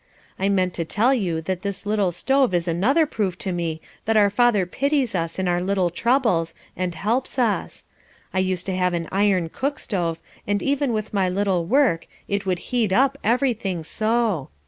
I meant to tell you that this little stove is another proof to me that our Father pities us in our little troubles, and helps us. I used to have an iron cook stove, and even with my little work it would heat up everything so.